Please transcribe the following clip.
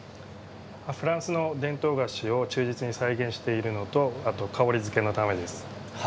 フランスの伝統菓子を忠実に再現しているのと香りづけのためです。